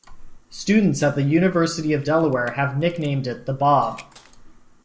Students at the University of Delaware have nicknamed it The Bob.